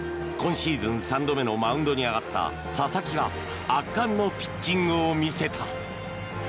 今シーズン３度目のマウンドに上がった佐々木が圧巻のピッチングを見せた。